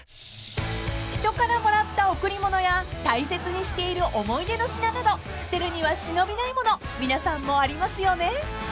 ［人からもらった贈り物や大切にしている思い出の品など捨てるには忍びない物皆さんもありますよね？］